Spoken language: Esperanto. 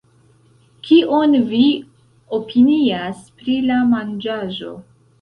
Kion vi opinias pri la manĝaĵo